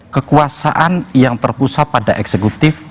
kekuasaan yang terpusat pada eksekutif